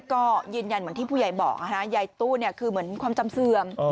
ก็ยืนยันเหมือนที่ผู้ใหญ่บอกยายตู้คือเหมือนความจำเสื่อม